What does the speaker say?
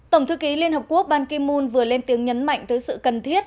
tổng thư ký liên hợp quốc ban ki moon vừa lên tiếng nhấn mạnh tới sự cần thiết